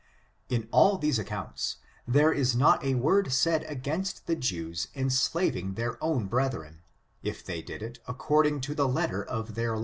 In all these accounts, there is not a word said against the Jews enslaving their own brethren, if they did it according to the letter of their law